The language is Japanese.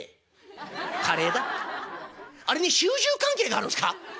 「あれに主従関係があるんですか？